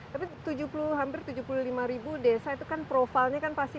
tapi hampir tujuh puluh lima desa itu kan profilnya kecil